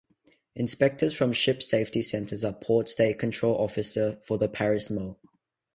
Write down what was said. Inspectors from ship safety centers are Port State Control Officer for the Paris Mou.